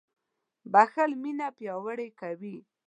• بښل مینه پیاوړې کوي.